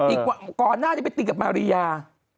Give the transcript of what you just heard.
อีกว่าก่อนหน้าจะไปตีกับมารียา